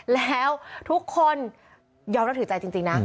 แล้วทุกคนยอมรับถือใจจริงนะ